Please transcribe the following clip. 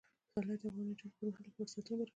پسرلی د افغان نجونو د پرمختګ لپاره فرصتونه برابروي.